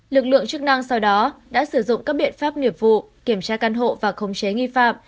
lực lượng chức năng sau đó đã sử dụng các biện pháp nghiệp vụ kiểm tra căn hộ và khống chế nghi phạm